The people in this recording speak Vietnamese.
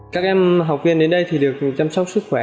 các em học viên đến đây thì được chăm sóc sức khỏe